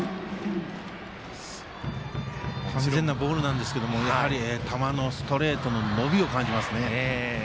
完全なボールなんですけどやはりストレートの伸びを感じますね。